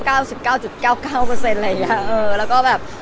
อะไรอย่างนี้